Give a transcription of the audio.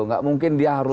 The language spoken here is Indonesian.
gak mungkin dia harus